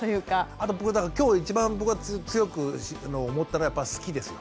あと今日一番僕が強く思ったのはやっぱ「好き」ですよ。